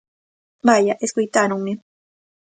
Vaia, escoitáronme.